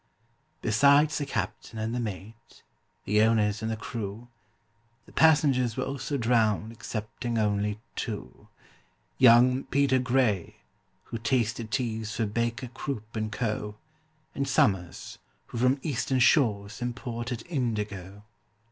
Besides the captain and the mate, the owners and the crew, The passengers were also drowned excepting only two: Young PETER GRAY, who tasted teas for BAKER, CROOP, AND CO., And SOMERS, who from Eastern shores imported indigo.